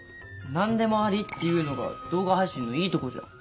何でもありっていうのが動画配信のいいとこじゃん。